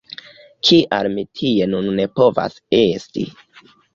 Kial mi tie nun ne povas esti?